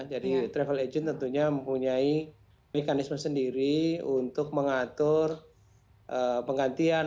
jadi travel agent tentunya mempunyai mekanisme sendiri untuk mengatur penggantian